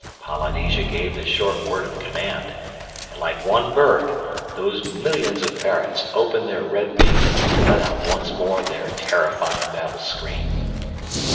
Polynesia gave the short word of command; and like one bird those millions of parrots opened their red beaks and let out once more their terrifying battle scream.